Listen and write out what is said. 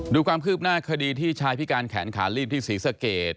ดูความคืบหน้าคดีที่ชายพิการแขนขาลีบที่ศรีสะเกด